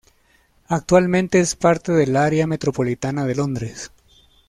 Actualmente es parte del área metropolitana de Londres.